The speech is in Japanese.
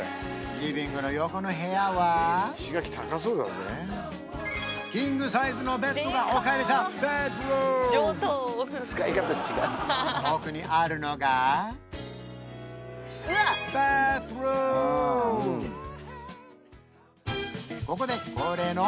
リビングの横の部屋はキングサイズのベッドが置かれたベッドルーム奥にあるのがここでおお！